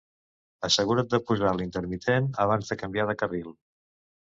Assegura't de posar l'intermitent abans de canviar de carril